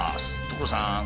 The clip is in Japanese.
所さん！